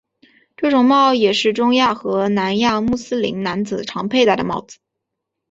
这种帽也是中亚和南亚穆斯林男子常佩戴的帽子。